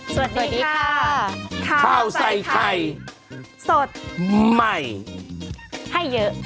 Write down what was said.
สวัสดีค่ะข้าวใส่ไข่สดใหม่ให้เยอะ